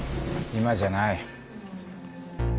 今じゃない。